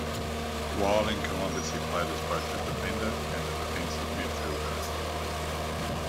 While in Columbus, he played as both a defender and a defensive midfielder.